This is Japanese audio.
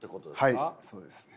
はいそうですね。